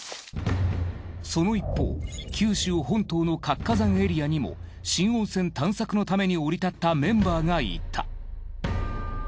その一方九州本島の活火山エリアにも新温泉探索のために降り立ったメンバーがいた。